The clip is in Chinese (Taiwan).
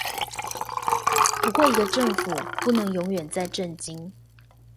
不過一個政府不能永遠在震驚